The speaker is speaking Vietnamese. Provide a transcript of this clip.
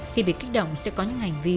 khi bị kích động sẽ có những hành vi